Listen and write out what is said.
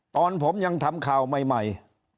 ตอนผมยังทำข่าวใหม่